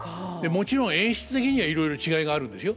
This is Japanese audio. もちろん演出的にはいろいろ違いがあるんですよ。